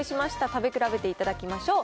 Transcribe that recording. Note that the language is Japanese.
食べ比べていただきましょう。